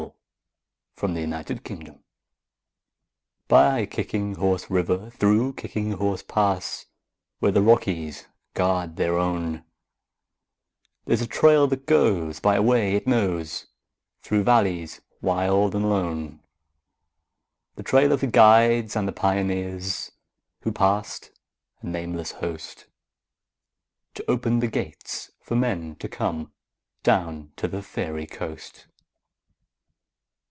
SONG OF THE KICKING HORSE By Kicking Horse River, through Kicking Horse Pass, Where the Rockies guard their own, There's a trail that goes by a way it knows Through valleys wild and lone,— The trail of the guides and the pioneers Who passed—a nameless host— To open the gates for men to come Down to the Fairy Coast.